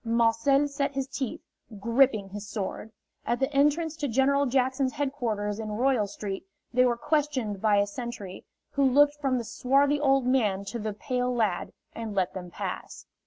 Marcel set his teeth, gripping his sword. At the entrance to General Jackson's headquarters in Royal Street they were questioned by a sentry, who looked from the swarthy old man to the pale lad, and let them pass.